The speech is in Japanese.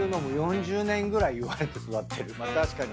確かに。